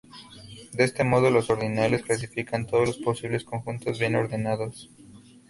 De este modo, los ordinales clasifican todos los posibles conjuntos bien ordenados.